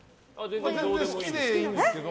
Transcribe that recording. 全然好きでいいんですけど。